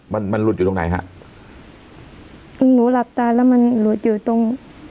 มันมันหลุดอยู่ตรงไหนฮะหนูหลับตาแล้วมันหลุดอยู่ตรง